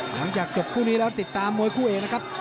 หลังจากจบคู่นี้แล้วติดตามมวยคู่เอกนะครับ